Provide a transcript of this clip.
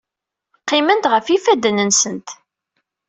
Qqiment ɣef yifadden-nsent.